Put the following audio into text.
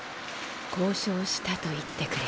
交渉したと言ってくれ。